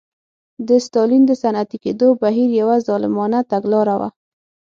د ستالین د صنعتي کېدو بهیر یوه ظالمانه تګلاره وه